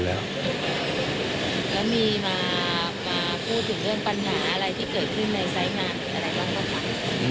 แล้วมีมาพูดถึงเรื่องปัญหาอะไรที่เกิดขึ้นในสายงานมีอะไรบ้างบ้างคะ